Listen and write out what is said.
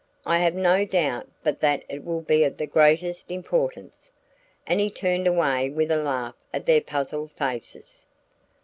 I have no doubt but that it will be of the greatest importance," and he turned away with a laugh at their puzzled faces.